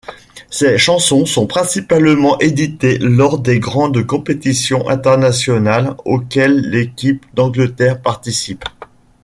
Ces chansons sont principalement éditées lors des grandes compétitions internationales auxquelles l'équipe d'Angleterre participe.